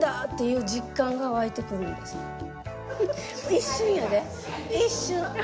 一瞬やで一瞬。